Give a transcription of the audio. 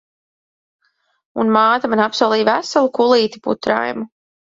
Un māte man apsolīja veselu kulīti putraimu.